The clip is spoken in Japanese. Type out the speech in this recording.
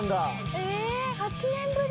え８年ぶり！